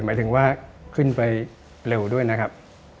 หมายถึงว่าขึ้นไปเร็วด้วยนะครับ